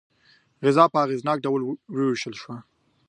غذا په اغېزناک ډول وویشل شوه.